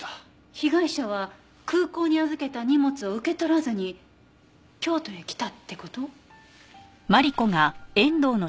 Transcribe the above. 被害者は空港に預けた荷物を受け取らずに京都へ来たって事？